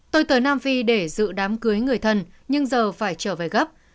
tôi tới nam phi để dự đám cưới người thân nhưng giờ phải trở về gấp